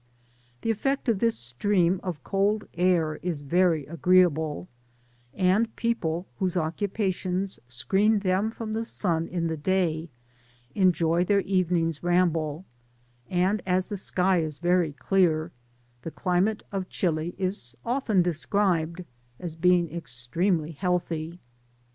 The effect of this stream of cold air is very agreeable, and people, whose occupations screen them from the sun in the o Digitized byGoogk 194 PASSAGE ACBOSS, &C. day, enjoy their evening's ramble ; and as the sky is very clear, the climate of Chili is often described as being extranely healthy.